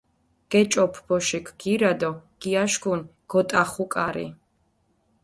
გეჭოფუ ბოშიქ გირა დო გიაშქუნი, გოტახუ კარი.